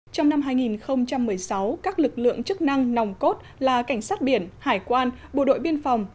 trong năm hai nghìn một mươi sáu các lực lượng chức năng nòng cốt là cảnh sát biển hải quan bộ đội biên phòng